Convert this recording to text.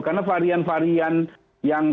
karena varian varian yang